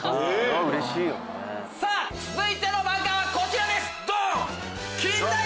続いての漫画はこちらですドン！